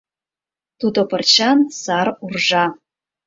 Туто пырчан сар уржа...